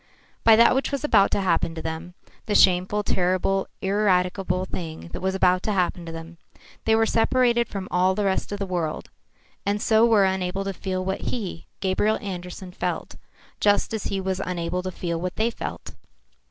By that which was about to happen to them, the shameful, terrible, ineradicable thing that was to happen to them, they were separated from all the rest of the world, and so were unable to feel what he, Gabriel Andersen, felt, just as he was unable to feel what they felt.